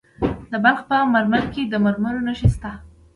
د بلخ په مارمل کې د مرمرو نښې شته.